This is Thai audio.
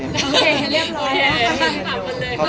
พี่อัดมาสองวันไม่มีใครรู้หรอก